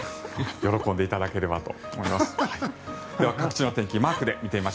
喜んでいただければと思います。